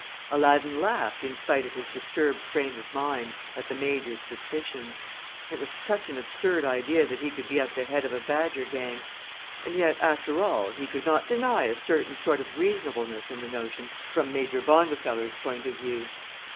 Aladdin laughed in spite of his disturbed frame of mind at the Major's suspicions. It was such an absurd idea that he could be at the head of a badger gang, and yet, after all, he could not deny a certain sort of reasonableness in the notion from Major Bondifeller's point of view.